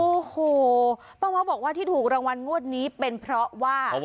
โอ้โหป้าม้อบอกว่าที่ถูกรางวัลงวดนี้เป็นเพราะว่า